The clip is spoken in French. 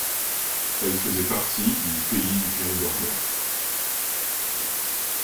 Elle faisait partie du Pays du Périgord noir.